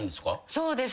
そうですね。